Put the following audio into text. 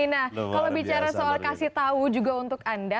nah kalau bicara soal kasih tahu juga untuk anda